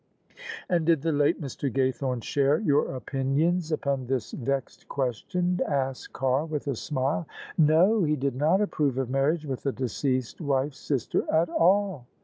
"And did the late Mr. Gasrthome share you opinions upon this vexed question? " asked Carr with a smile. "No: he did not approve of marriage with a deceased wife's sister at all."